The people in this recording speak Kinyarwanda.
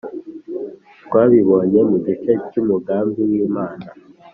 Twabibonye mu gice cyumugambi wImana